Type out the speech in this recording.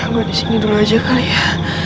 aku disini dulu aja kali ya